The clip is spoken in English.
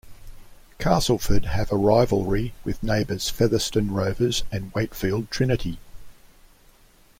Castleford have a rivalry with neighbours Featherstone Rovers and Wakefield Trinity.